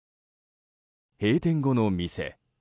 閉店後の店。